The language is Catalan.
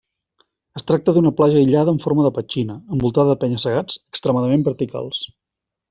Es tracta d'una platja aïllada en forma de petxina, envoltada de penya-segats extremadament verticals.